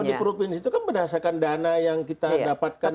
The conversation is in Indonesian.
nah di provinsi itu kan berdasarkan dana yang kita dapatkan